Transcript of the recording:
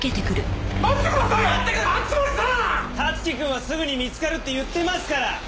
樹くんはすぐに見つかるって言ってますから。